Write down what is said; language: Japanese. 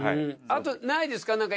あとないですか？